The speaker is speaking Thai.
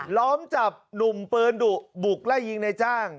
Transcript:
ล้อมจับหนุ่มปืนดุบุกไล่ยิงในจ้าง